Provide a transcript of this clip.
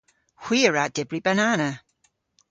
Hwi a wra dybri banana.